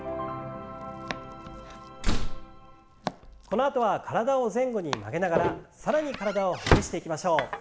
このあとは体を前後に曲げながら更に体をほぐしていきましょう。